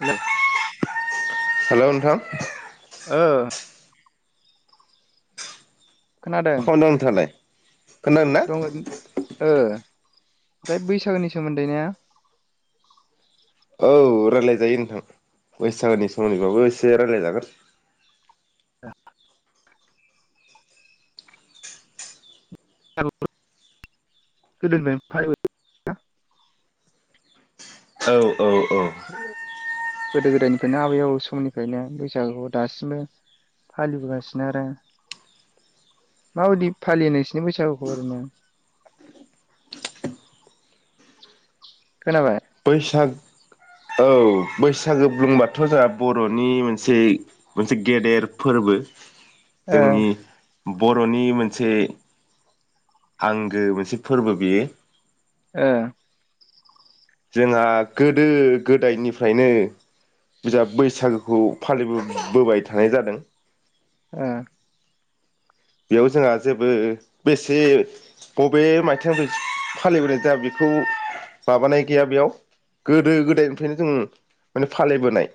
हेल'। हेल' नोंथां। ओ। खोनादों [unintelligible] नोंथाङालाय खोनादों ना दङ ओ। फ्राय बैसागोनि सोमोन्दै ने? औ रायलायजायो नोंथां बैसागोनि सोमोन्दैबाबो एसे रायलायजागोन। गोदोनि [unintelligible] औ औ औ गोदो गोदायनि फ्रायनो आबै आबौ समनिफ्रायनो बैसागुखौ दासिमबो फालिबोगासिनो आरो माबायदि फालि नोंसिनो बैसागुखौ ओरैनो। खोनाबाय। बैसाग औ बैसागो बुंबाथ' जोंहा बर'नि मोनसे मोनसे गेदेर फोरबो। ओ जोंनि बर'नि मोनसे आंगो मोनसे फोरबो बियो। ओ जोंहा गोदो गोदायनिफ्रायनो बिजाब बैसागोखौ फालिबो बोबाय थानाय जादों। ओ बेयाव जोंहा जेबो बेसे बबे मायथाइयाव बे फालिबोनाय जाया बेखौ माबानाय गैया बेयाव गोदो गोदायनिफ्रायनो जों माने फालिबोनाय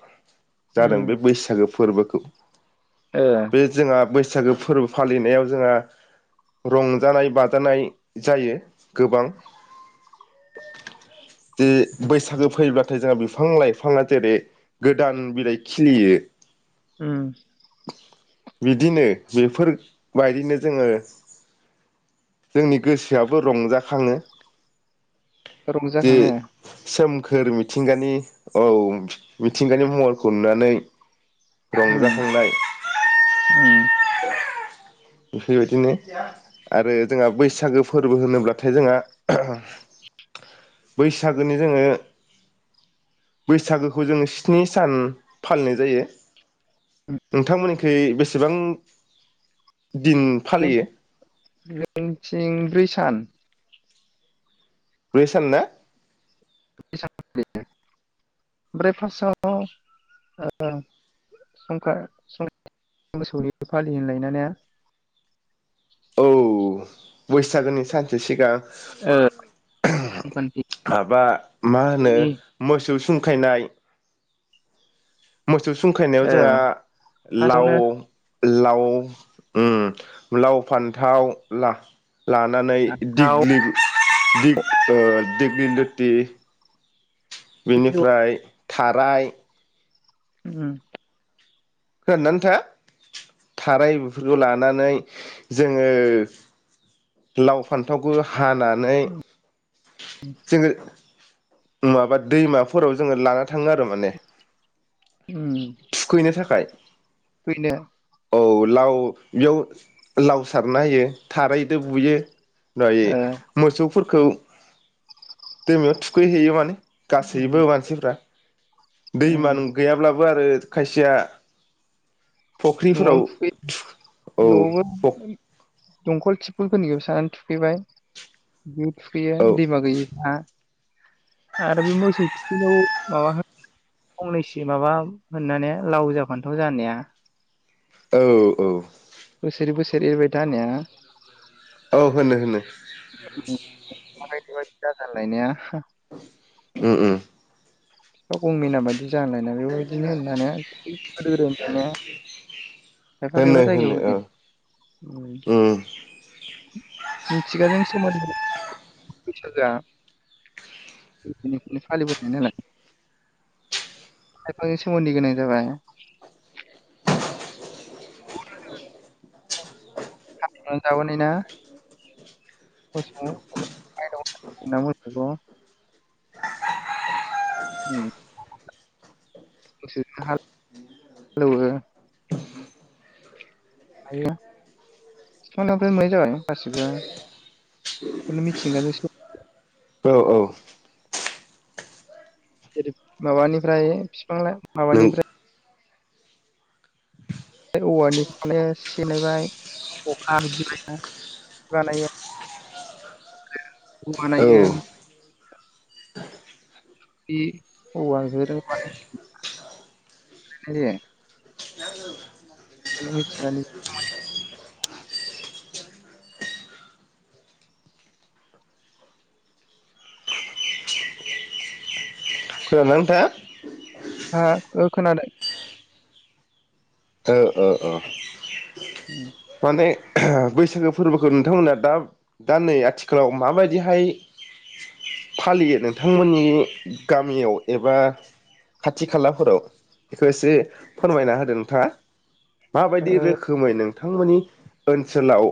उम जादों बे बैसागो फोरबोखौ ओ बे जोंहा बैस सागो फोरबो फालिनायाव जोंहा रंजानाय बाजानाय जायो गोबां जे बैसागो फैबाथाय जोंहा बिफां लाइफाङा जेरै गोदान बिलाइ खिलियो उम बिदिनो जेफोर बायदिनो जोङो जोंनि गोसोआबो रंजाखाङो। रंजाखाङो खोर मिथिंगानि औ मिथिंगानि महरखौ नुनानै उम रंजाखांनाय उम बेफोरबायदिनो आरो जोंहा बैसागो फोरबो होनोब्लाथाय जोंहा बैसागोनि जोङो बैसागोखौ जोङो स्नि सान फालिनाय जायो। नोंथांमोननि सै बेसेबां दिन फालियो [unintelligible] सान ब्रै सान ना [unintelligible] ओमफ्राय फार्स्टआव ओ संक्रान मोसौै फालि [unintelligible] औ बैसागोनि सानसे सिगां ओ संक्रान्तिनि माबा मा होनो मोसौ खायनाय मोसौ सुंखायनायाव ओ जोंहा लाव फार्स्टआवनो लाव ओ लाव फान्थाव ला लानानै फान्थाव दिग्लि दिप ओ दोगिलोथि बेनिफ्राय थाराय उम थाराय बेफोरखौ लानानै जोङो लाव फान्थावखौ हानानै उम जोङो माबा दैमाफोराव जोङो लाना थाङो आरो माने थुखैनो थाखाय थुखैनो औ लाव बेयाव लाव सारना होयो थाराइजों बुयो। दायो ओ मोसौफोर खौे दैमायाव थु खैहैयो माने। उम गासैबो मानसिफ्रा दैमा गैयाब्लाबो आरो खायसेया न'आव फुख्रिफोराव थुखैयो औ फख नवावबो दंखल थिफुलफोरनिखौबो सानानै थुखैबाय। थुखैयो औ दैमा गैयैफ्रा आरो बे मोसौ खियाव माबा फंनैसो माबा होननानै लाव जा फान्थाव जा होननाया औ औ। बोसोर बोसोर एरबाय था होननाया औ होनो होनो। [unintelligible] उम उम। फिफा गंमेना बायदि जा होनलायनाया बेबायदिनो होनो ने गोदो गोदायनिफ्रायनो खायफा होनो खायफा होनो जायगायाव औ होनो उम मिथिगाजों सोमोन्दो बैसागोआ [inaudible] फालिबोनाय नालाय। [unintelligible] जाबोनाय ना [unintelligible] मोसौखौ [unintelligible] हायो [unintelligible] जाबाय गासिबो बेखौनो मिथिंगाजों सोमोन्दो औ औ माबानिफ्राय फिफां ना नों माबानिफ्राय औ [unintelligible] [unintelligible] खोनादों ना नोंथाङा। हा ओ खोनादों। ओ ओ ओ। औ माने बैसागो फोरबोखौ नोंथांमोना दा दा नै आथिखालाव माबायदिहाय फालियो नोंथांमोननि गामियाव एबा खाथि खालाफोराव बेखौ एसे फोरमायना होदों नोंथाङा। ओ माबायदि रोखोमै नों नोंथांमोननि ओनसोलाव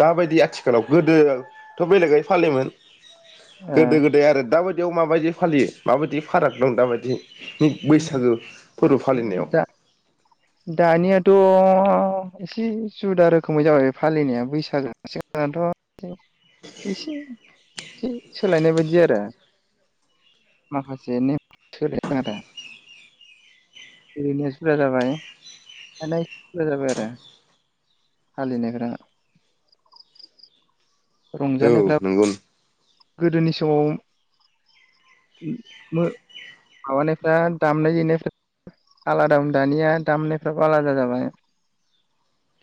दाबायदि आथिखालाव गोदोथ' बेलेगै फालियोमोन। गोदो गोदाय आरो दाबाय याव माबायदि फायो माबायदि फाराग दं दााबायदि दा दानियाथ' अ एसे जुदा रोखोमै जाबाय बे फालिनाया बैसागो सिगांनाथ' एसे ए सोलायनाय बायदि आरो माखासे नेम सोलाय खोनादो ओरैनो जुदा जाबाय दाना एसे जुदा जाबाय आरो फालिनायफोरा। औ नंगौ गोदोनि समाव मो माबानायफ्रा दामनाय देनाय आलादामोन दानिया दामनायफ्राबो आलादा जाबाय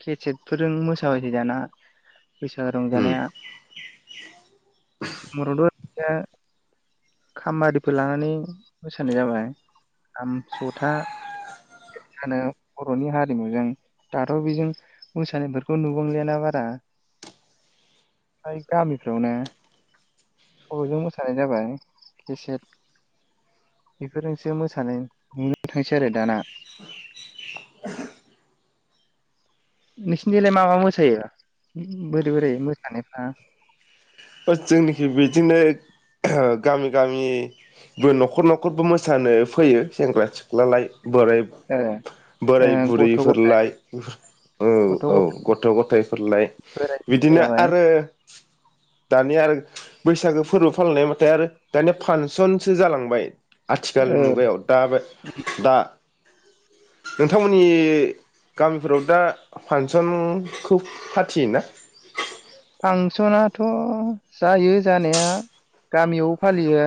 केसेटफोरजों मोसाबायो दाना बैसागो उम रंजानाया [unintelligible] या खाम बारिफोर लानानै मोसानाय जाबाय खाम जथाानो बर'नि हारिमुजों दाथ' बेजों मोसानायफोरखौ नुबांलियाना बारा फ्राय गामिफ्रावनो सल'जों मोसानाय जाबाय केसेट बेफोरजोंसो मोसानाय नुनो थांसै आरो दाना नोंसिनिथिंलाय मा मा मोसायो बोरै बोरै मोसानायफ्रा? ओ जोंनिखि बिदिनो गामि गामिबो न'खर न'खरबो मोसानो फैयो सेंग्रा सि ख्लालाय बोराय ओ बोराय ओ गथ' गथाय बुरैफोरलाय औ गथ' औ गथाय गथ' गथाइफोरलाय बोराय बेन्थ' बिदिनो जाबाय आरो [unintelligible] नि आरो बैसागो फोरबो फालिनाय बाथाय आरो दानिया फांसनसो जालांबाय। आथिखाल ओ मुगायाव दाबाय दा नोंथांमोननि गामिफोराव दा फांसनखौ फाथियो ना? फांसनाथ' जायो जानाया गामियावबो फालियो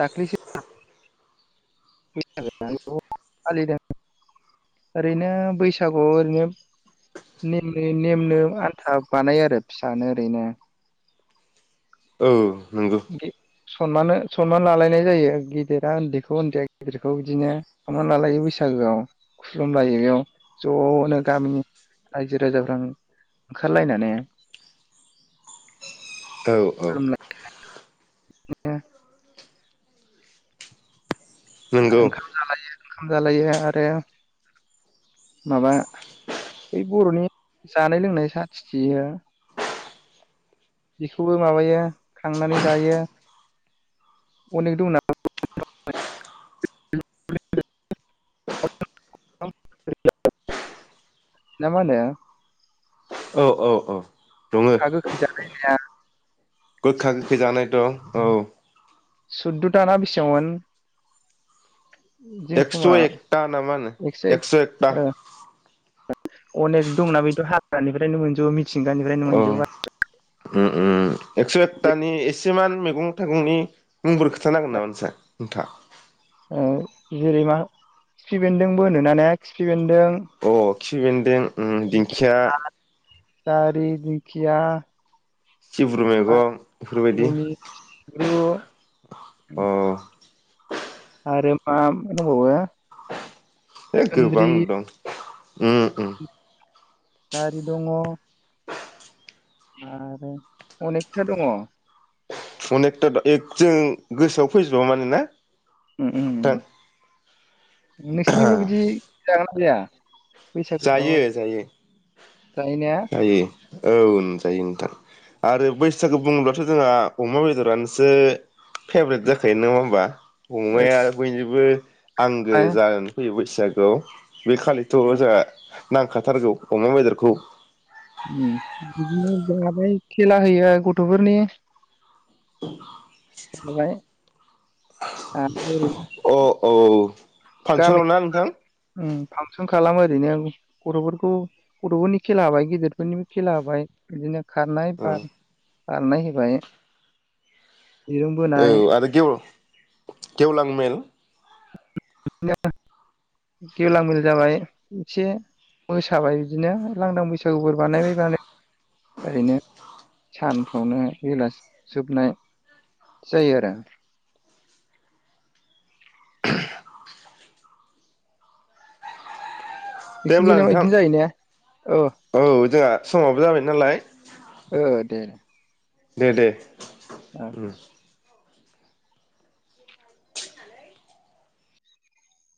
दाख्लिसो [unintelligible] फालिदों ओरैनो बैसागुआव ओरैनो नेमनि नेमनो आन्था बानायो आरो फिसानो ओरैनो। ओ नोंगो गि- सनमान सनमान लालायनाय जायो गिदिरा उन्दैखौ उन्दैया गिदिरखौ बिदिनो सनमान लालायो बैसागोआव खुलुमलायो बेयाव ज'नो गामिनि रायजो राजाफ्रा ओंखारलायनानै। औ औ खुलुमलाय नंगौ ओंखाम जालायो खाम जालायो आरो माबा बै बर'नि जानाय लोंनाय साथिखियो बेखौबो माबायो खांनानै जायो अनेक दं ना [unintelligible] ना मा होनो? औ औ औ दङ गोखा गोखै जानाय या गोखा गोखै जानाय दं औ सुदद'था ना बेसांमोन? एक्स' एकथा ना मा होनो एक एक्स' एकथा ओ अनेक दंना बेथ' हाग्रानिफ्रायनो मोनजोबो मि थिंगानिफ्रायनो मोनजोबो गा [unintelligible] उ उ एकस' एकथानि एसेमान मैगं थाइगंनि मुंबोरै खोथा नांगोन नामा नोंसा नोंथाङा? ओ जेरै मा खिफि बेन्दोंबो होनोना ने खिफि बेन दों अ खिफि बेन्दों उम दिंखिया जारि दिंखया सिब्रु मैगं बेफोरबायदि सिब्रु अ आरो मा होनबावो ए गोबां दं उम उम [inaudible] जारि दङ आरो अनेखथा दङ अनेकथा एक जों गोसोआव फैजोबा माने ना उम उम नोंथां नोंसिनिबो बिदि जागोन गैया जायो जायो जायो ना जायो औ जायो नोंथां आरो बैसागु बुङोल्बाथ' जोंहा अमा बेदरानोसो फेभ्रेट जाखायो नङा होनोमबा ओ अमाया बै बो आंगो जानानै फैबाय बैसागुआव बे खालिथ' जोंहा नांखाथारगौ अमा बेदरखौ बिदिनो जाबाय खेला होयो गथ'फोरनि [inaudible] [inaudible] आ ओरै अ औ गामि फांसनाव ना नोंथां? उम फांसन खालामो ओरैनो गथ'फोरखौ गथ'फोरनि खेला होबाय गेदेरफोरनिबो खेला होबाय बिदिनो खारनाय बार औ बारनाय होबाय दिरुं औ बोनाय आरो गेव गेवलां मेल गेवलां मेल जाबाय एसे मोसाबाय इदिनो लांदां बैसा गु बानायबाय बानाय ओरैनो सानफ्रावनो बेलासि जोबनाय जायो आरो दे नोंसिनि होमब्ला जिल्लायाव नोंथां बिदिनो जायो ने औ जोंहा समावबो जाबाय नालाय ओ दे दे दे। ओ ओम।